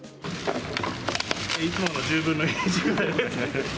いつもの１０分の１ぐらいですね。